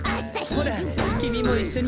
ほらきみもいっしょに。